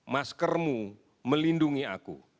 maskermu melindungi aku